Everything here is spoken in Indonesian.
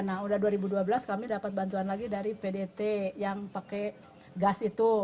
nah udah dua ribu dua belas kami dapat bantuan lagi dari pdt yang pakai gas itu